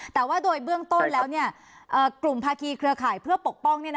แต่ว่าโดยเบื้องต้นแล้วกลุ่มภาคีเครือข่ายเพื่อปกป้อง